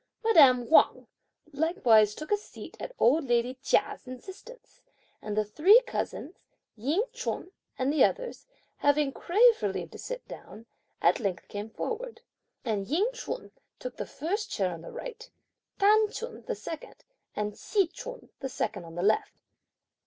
Madame Wang likewise took a seat at old lady Chia's instance; and the three cousins, Ying Ch'un and the others, having craved for leave to sit down, at length came forward, and Ying Ch'un took the first chair on the right, T'an Ch'un the second, and Hsi Ch'un the second on the left.